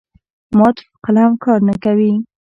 مات قلم کار نه کوي.